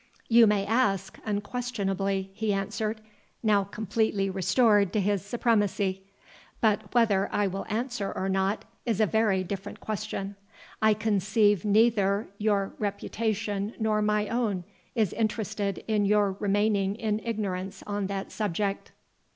"You may ask, unquestionably," he answered, now completely restored to his supremacy; "but whether I will answer or not, is a very different question. I conceive neither your reputation nor my own is interested in your remaining in ignorance on that subject.